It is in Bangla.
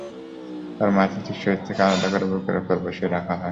তাঁরা মাথাটি শরীর থেকে আলাদা করে বুকের ওপর বসিয়ে রাখা হয়।